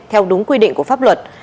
theo đúng quy định của pháp luật